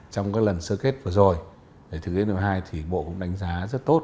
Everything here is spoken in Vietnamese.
trong các lần sơ kết vừa rồi để thực hiện nghị quyết một mươi hai thì bộ cũng đánh giá rất tốt